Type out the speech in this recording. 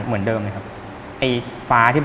เหมือนเดิมเลยครับ